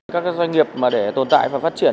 các doanh nghiệp để tổ chức hàng hóa xuất khẩu